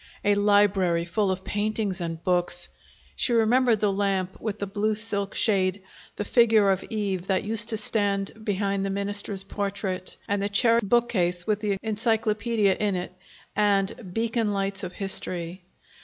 A library full of paintings and books! She remembered the lamp with the blue silk shade, the figure of Eve that used to stand behind the minister's portrait, and the cherry bookcase with the Encyclopaedia in it and "Beacon Lights of History."